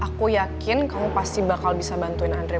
aku yakin kamu pasti bakal bisa bantuin andre